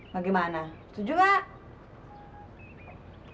bagaimana setuju nggak